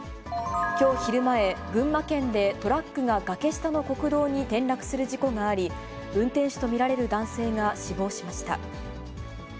きょう昼前、群馬県でトラックが崖下の国道に転落する事故があり、運転手と見られる男性が死亡しました。